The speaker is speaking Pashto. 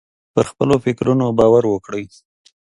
پر خپلو فکرونو باور وکړئ.